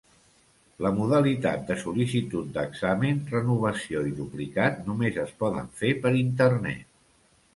La modalitat de sol·licitud d'examen, renovació i duplicat només es poden fer per internet.